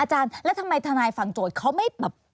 อาจารย์แล้วทำไมทนายฝั่งโจทย์เขาไม่แบบ